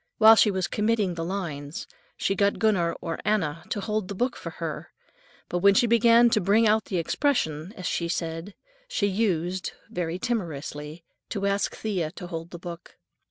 While she was committing the lines, she got Gunner or Anna to hold the book for her, but when she began "to bring out the expression," as she said, she used, very timorously, to ask Thea to hold the book.